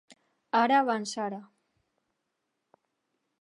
Ara abans ara.